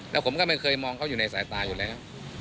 แล้วผมก็ไม่เคยมองเขาอยู่ในสายตาอยู่แล้ว